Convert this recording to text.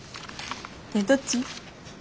ねえどっち？